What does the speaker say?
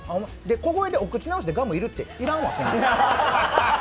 小声でお口直しでガム要るって、要らんわ。